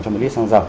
cho một lít xăng dầu